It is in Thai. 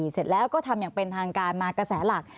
เสร็จแล้วก็ทำอย่างเป็นทางการมากระแสหลัก